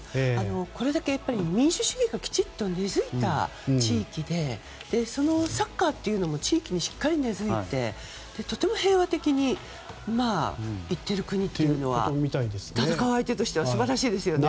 これだけ民主主義が根付いた地域でサッカーというのも地域にしっかり根付いてとても平和的にいっている国というのは戦う相手としては素晴らしいですよね。